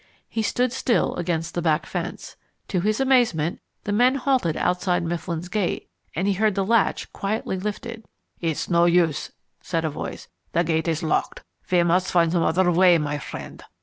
He stood still against the back fence. To his amazement the men halted outside Mifflin's gate, and he heard the latch quietly lifted. "It's no use," said a voice "the gate is locked. We must find some other way, my friend."